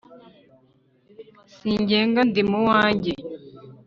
sinsenga ndi mu wanjye